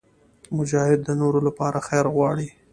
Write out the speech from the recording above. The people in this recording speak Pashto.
مجاهد د نورو لپاره خیر غواړي.